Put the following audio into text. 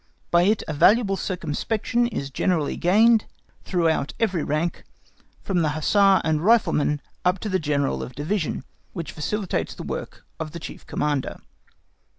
By it a valuable circumspection is generally gained throughout every rank, from the hussar and rifleman up to the General of Division, which facilitates the work of the Chief Commander.